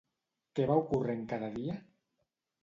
Què va ocorrent cada dia?